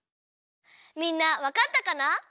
みんなわかったかな？